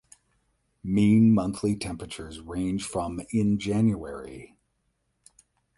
Mean monthly temperatures range from in January.